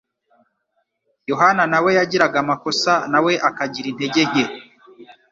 Yohana nawe yagiraga amakosa nawe akagira intege nke,